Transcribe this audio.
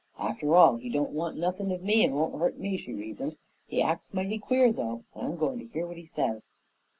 "After all, he don't want nothin' of me and won't hurt me," she reasoned. "He acts mighty queer though and I'm goin' to hear what he says."